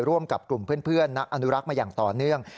ร่วมกับกลุ่มเพื่อนนักอนุรักษ์มาอย่างต่อเนื่อง